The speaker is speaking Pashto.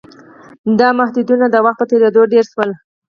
دا محدودیتونه د وخت په تېرېدو ډېر شول